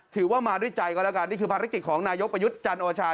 ถือว่ามาด้วยใจก็แล้วกันนี่คือภารกิจของนายกประยุทธ์จันโอชา